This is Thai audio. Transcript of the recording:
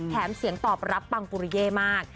เสียงตอบรับปังปุริเย่มาก